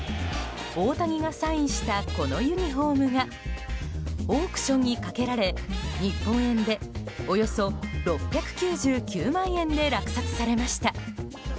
大谷がサインしたこのユニホームがオークションにかけられ日本円で、およそ６９９万円で落札されました。